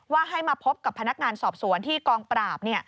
ให้มาพบกับพนักงานสอบสวนที่กองปราบ